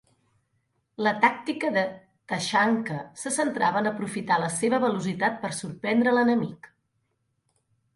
La tàctica de Tachanka se centrava en aprofitar la seva velocitat per sorprendre l'enemic.